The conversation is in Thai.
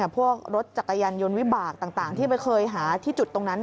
พวกรถจักรยานยนต์วิบากต่างที่ไปเคยหาที่จุดตรงนั้น